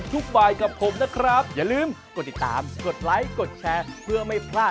อยากรู้เจ้า